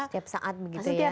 setiap saat begitu ya